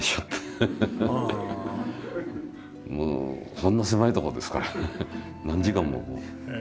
こんな狭いとこですから何時間もこう。